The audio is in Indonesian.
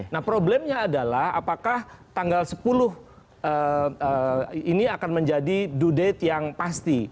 nah problemnya adalah apakah tanggal sepuluh ini akan menjadi due date yang pasti